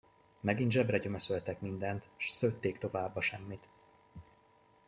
Megint zsebre gyömöszöltek mindent s szőtték tovább a semmit.